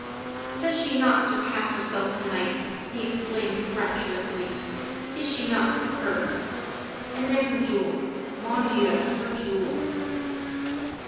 " Does she not surpass herself to night?" he ex claimed rapturously. " Is she not superb? And then her jewels. Man Dieu! Her jewels.